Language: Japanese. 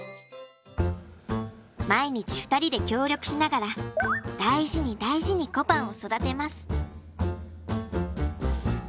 毎日２人で協力しながら大事に大事にこぱんを育てます。